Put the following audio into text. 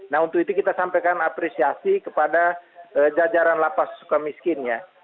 nah untuk itu kita sampaikan apresiasi kepada jajaran lapas suka miskin ya